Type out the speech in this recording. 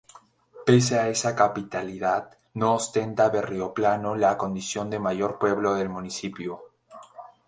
Pese a esa capitalidad, no ostenta Berrioplano la condición de mayor pueblo del municipio.